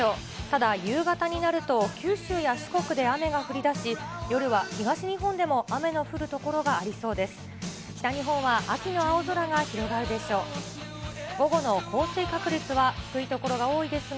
ただ、夕方になると九州や四国で雨が降りだし、夜は東日本でも雨の降る所がありそうです。